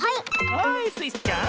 はいスイちゃん。